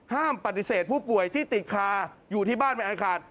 ห้ามปฏิเสธผู้ป่วยที่ติดคาอยู่ที่บ้านไม่อายขาด